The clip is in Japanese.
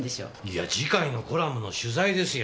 いや次回のコラムの取材ですよ。